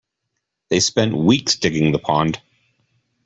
They spent weeks digging the pond.